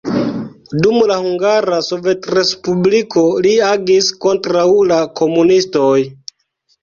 Dum la Hungara Sovetrespubliko li agis kontraŭ la komunistoj.